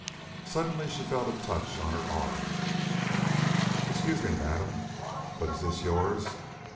Suddenly she felt a touch on her arm. "Excuse me, madam, but is this yours?"